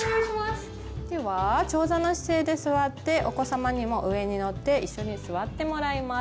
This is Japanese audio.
では長座の姿勢で座ってお子様にも上に乗っていっしょに座ってもらいます。